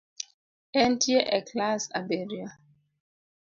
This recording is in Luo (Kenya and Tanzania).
Entie e klas abirio